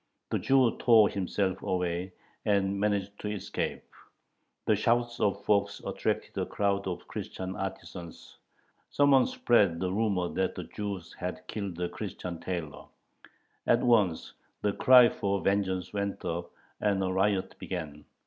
The Jew tore himself away, and managed to escape. The shouts of Fox attracted a crowd of Christian artisans. Some one spread the rumor that the Jews had killed a Christian tailor. At once the cry for vengeance went up, and a riot began.